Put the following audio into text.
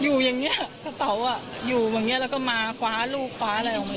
พูดสิทธิ์ข่าวธรรมดาทีวีรายงานสดจากโรงพยาบาลพระนครศรีอยุธยาครับ